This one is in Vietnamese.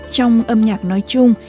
trong âm nhạc nói chung